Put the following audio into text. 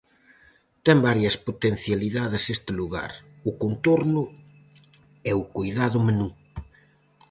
Ten varias potencialidades este lugar: o contorno e o coidado menú.